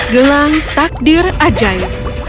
gelang takdir ajaib